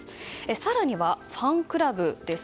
更には、ファンクラブです。